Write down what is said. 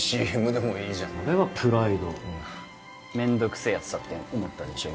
ＣＭでもいいじゃんそれはプライドうわめんどくせえやつだって思ったでしょ